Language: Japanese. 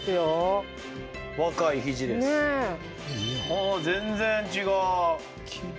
あ全然違う。